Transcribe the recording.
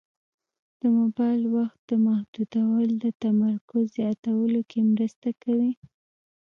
د موبایل وخت محدودول د تمرکز زیاتولو کې مرسته کوي.